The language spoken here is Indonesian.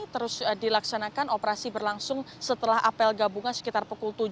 terus dilaksanakan operasi berlangsung setelah apel gabungan sekitar pukul tujuh